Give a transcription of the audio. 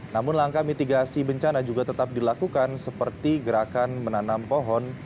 namun langkah mitigasi bencana juga tetap dilakukan seperti gerakan menanam pohon